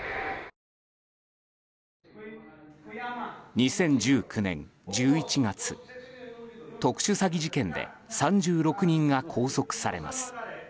２０１９年１１月特殊詐欺事件で３６人が拘束されます。